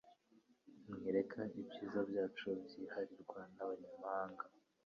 mwireka ibyiza byacu byiharirwa n' abanyamahanga